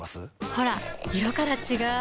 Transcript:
ほら色から違う！